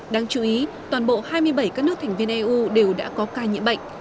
đáng chú ý toàn bộ hai mươi bảy các nước thành viên eu đều đã có ca nhiễm bệnh